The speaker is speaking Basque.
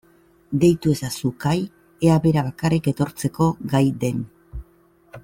Deitu ezazu Kai ea bera bakarrik etortzeko gai den.